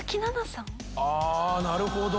なるほど！